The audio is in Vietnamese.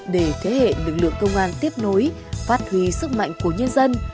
để thế hệ lực lượng công an tiếp nối phát huy sức mạnh của nhân dân